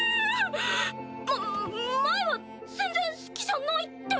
ま前は全然好きじゃないって。